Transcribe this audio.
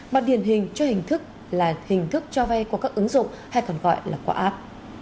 mà điển hình cho hình thức là hình thức cho vay qua các ứng dụng hay còn gọi là qua app